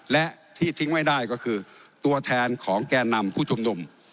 และที่ทิ้งไม่ได้ก็คือตัวแทนของแก่นำผู้ชุมนุม